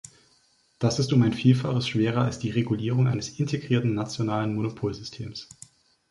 Das ist um ein Vielfaches schwerer als die Regulierung eines integrierten nationalen Monopolsystems.